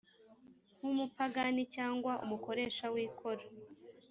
nk umupagani cyangwa umukoresha w ikoro